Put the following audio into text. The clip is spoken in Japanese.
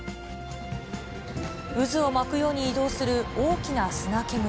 渦を巻くように移動する大きな砂煙。